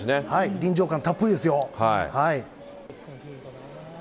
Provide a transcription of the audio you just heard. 臨場感たっぷりですよ。